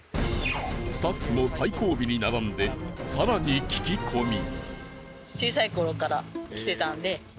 スタッフも最後尾に並んで更に聞き込み